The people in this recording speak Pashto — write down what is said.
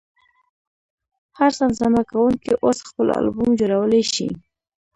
هر زمزمه کوونکی اوس خپل البوم جوړولی شي.